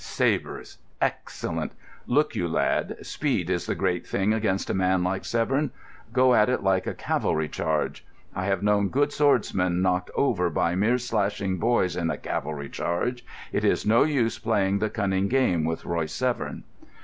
Sabres: excellent! Look you, lad, speed is the great thing against a man like Severn. Go at it, like a cavalry charge. I have known good swordsmen knocked over by mere slashing boys in a cavalry charge. It is no use playing the cunning game with Royce Severn."